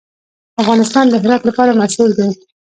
افغانستان د هرات لپاره مشهور دی.